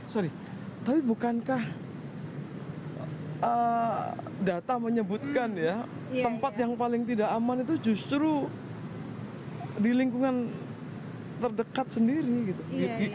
sorry tapi bukankah data menyebutkan tempat paling tidak aman itu justru di lingkungan dekat sendiri kalau gitu gimana maria dok